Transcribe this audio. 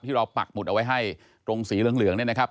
เราปักหมุดเอาไว้ให้ตรงสีเหลืองเนี่ยนะครับ